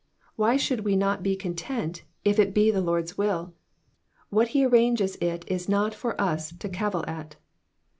Why should we not be content if it be the Lord's will ? What he arranges it is not for us to cavil at.